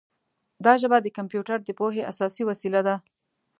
دا ژبه د کمپیوټر د پوهې اساسي وسیله ده.